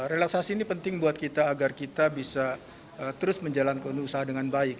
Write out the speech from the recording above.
relaksasi ini penting buat kita agar kita bisa terus menjalankan usaha dengan baik